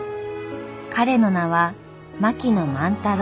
彼の名は槙野万太郎。